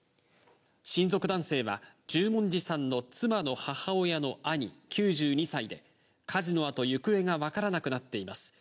親族男性は、十文字さんの妻の母親の兄９２歳で、火事のあと、行方が分からなくなっています。